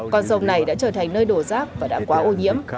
con sông này đã trở thành nơi đổ rác và đã quá ô nhiễm